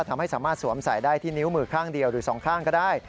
ทำให้สามารถสวมใส่ได้ที่นิ้วมือข้างเดียวหรือสองข้างก็ได้